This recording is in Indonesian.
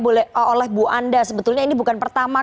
boleh oleh bu anda sebetulnya ini bukan pertama